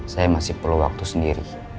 saya masih perlu waktu sendiri